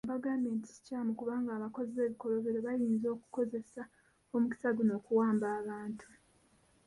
Yagambye nti kikyamu kubanga abakozi b'ebikolobero bayinza okukozesa omukisa guno okuwamba abantu.